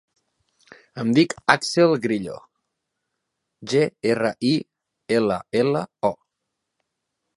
Em dic Àxel Grillo: ge, erra, i, ela, ela, o.